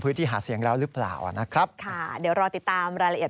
กรณีนี้ทางด้านของประธานกรกฎาได้ออกมาพูดแล้ว